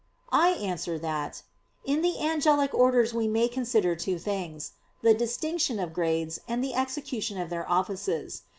I answer that, In the angelic orders we may consider two things; the distinction of grades, and the execution of their offices.